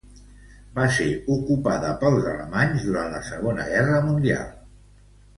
Va ser ocupada pels alemanys durant la Segona Guerra Mundial.